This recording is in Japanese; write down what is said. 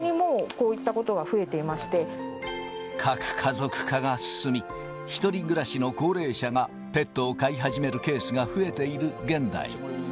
これは全国的にも、こういったこ核家族化が進み、１人暮らしの高齢者がペットを飼い始めるケースが増えている現代。